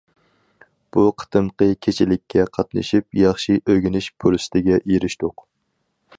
بۇ قېتىمقى كېچىلىككە قاتنىشىپ، ياخشى ئۆگىنىش پۇرسىتىگە ئېرىشتۇق.